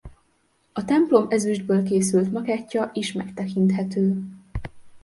A templom ezüstből készült makettja is megtekinthető.